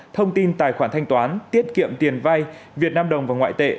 thông tin tài khoản thanh toán tiết kiệm tiền vay việt nam đồng và ngoại tệ